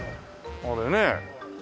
あれね。